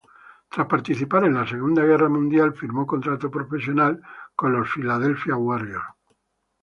Tras participar en la Segunda Guerra Mundial, firmó contrato profesional con los Philadelphia Warriors.